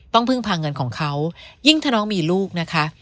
พึ่งพาเงินของเขายิ่งถ้าน้องมีลูกนะคะ